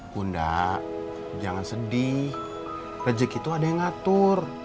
bunda jangan sedih rejeki tuh ada yang ngatur